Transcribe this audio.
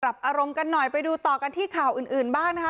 สำหรับอารมณ์กันหน่อยไปดูต่อกันที่ข่าวอื่นบ้างนะคะ